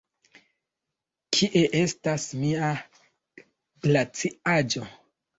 Kie estas mia glaciaĵo?